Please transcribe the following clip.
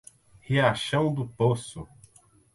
Riachão do Poço